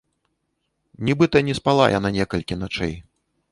Нібыта не спала яна некалькі начэй.